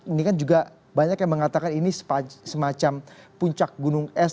ini kan juga banyak yang mengatakan ini semacam puncak gunung es